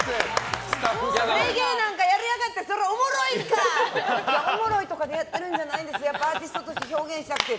レゲエなんかやりやがってそれおもろいんか！っておもろいとかでやってるんじゃないんですやっぱアーティストとして表現したくて。